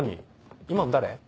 今の誰？